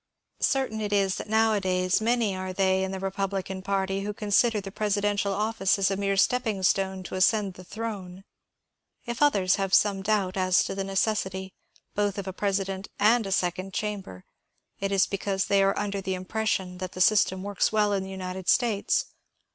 Certain it is that nowadays many are they in the republican party who consider the presidential office as a mere stepping stone to ascend the throne. If others have some doubt as to the necessity, both of a president and a sec ond chamber, it is because they are under the impression that that system works well in the United States.